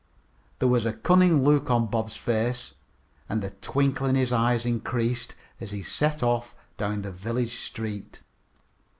There was a cunning look on Bob's face, and the twinkle in his eyes increased as he set off down the village street.